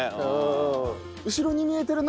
後ろに見えてるのが。